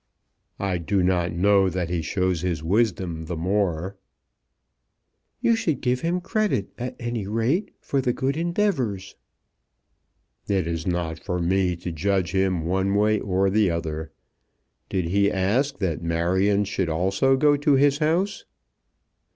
"I do not know that he shows his wisdom the more." "You should give him credit at any rate for good endeavours." "It is not for me to judge him one way or the other. Did he ask that Marion should also go to his house?"